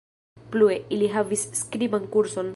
Plue, ili havis skriban kurson.